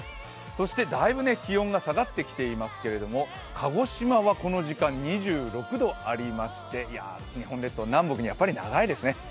そしてだいぶ気温が下がってきていますけど鹿児島はこの時間、２６度ありまして日本列島、南北に長いですね。